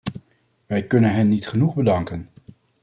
Wij kunnen hen niet genoeg bedanken.